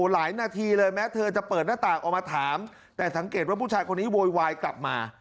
หลายนาทีเลยแม้เธอจะเปิดหน้าต่างออกมาถามแต่สังเกตว่าผู้ชายคนนี้โวยวายกลับมา